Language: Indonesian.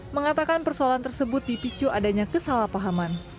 mengatakan persoalan tersebut dipicu adanya kesalahpahaman